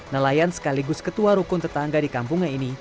nelayan sekaligus ketua rukun tetangga di kampungnya ini